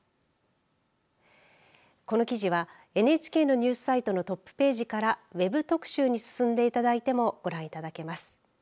この記事はＮＨＫのニュースサイトのトップページからＷＥＢ特集に進んでいただいてもご覧いただけます。